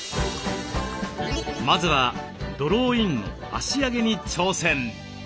まずはドローインの足上げに挑戦。